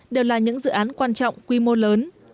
đều là những dự án quan trọng quy mô lớn